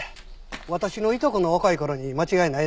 私のいとこの若い頃に間違いないですね。